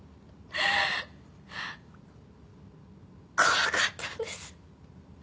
怖かったんです。